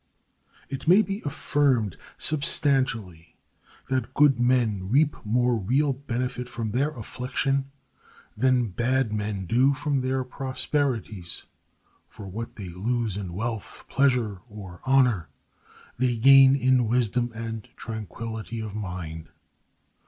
It may be affirmed substantially that good men reap more real benefit from their affliction than bad men do from their prosperities; for what they lose in wealth, pleasure, or honor they gain in wisdom and tranquillity of mind.